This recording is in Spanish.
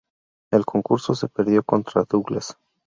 El concurso se perdió contra Douglas.